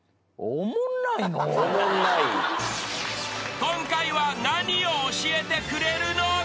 ［今回は何を教えてくれるのか？］